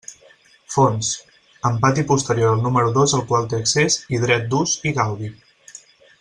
Fons: amb pati posterior al número dos al qual té accés i dret d'ús i gaudi.